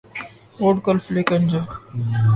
would cliff Lake اینجے